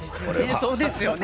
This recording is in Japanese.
そうですね